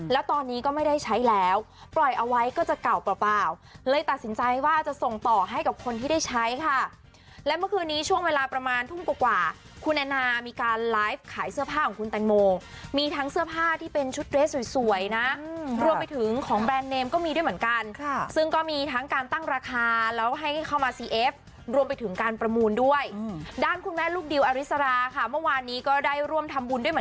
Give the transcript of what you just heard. และเมื่อคืนนี้ช่วงเวลาประมาณทุ่มกว่าคุณแอนนามีการไลฟ์ขายเสื้อผ้าของคุณแต่งโมมีทั้งเสื้อผ้าที่เป็นชุดเรสสวยนะรวมไปถึงของแบรนด์เนมก็มีด้วยเหมือนกันซึ่งก็มีทั้งการตั้งราคาแล้วให้เข้ามาซีเอฟรวมไปถึงการประมูลด้วยด้านคุณแม่ลูกดิวอาริสราค่ะเมื่อวานนี้ก็ได้ร่วมทำบุญด้วย